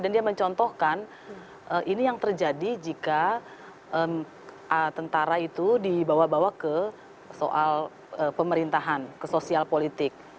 dan dia mencontohkan ini yang terjadi jika tentara itu dibawa bawa ke soal pemerintahan ke sosial politik